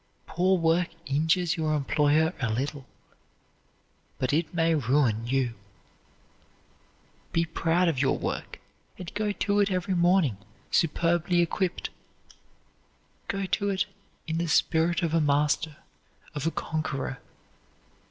Poor work injures your employer a little, but it may ruin you. Be proud of your work and go to it every morning superbly equipped; go to it in the spirit of a master, of a conqueror.